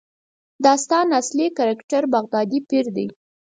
د داستان اصلي کرکټر بغدادي پیر دی.